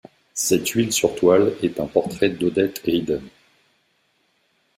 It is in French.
Cette huile sur toile est un portrait d'Odette Hayden.